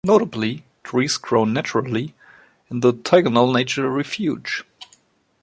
Notably, trees grow naturally in the Thylogale Nature Refuge.